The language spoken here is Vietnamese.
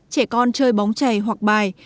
trẻ con chơi bóng chày hoặc bài